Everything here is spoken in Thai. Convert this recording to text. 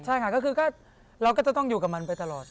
ใช่ค่ะก็คือเราก็จะต้องอยู่กับมันไปตลอด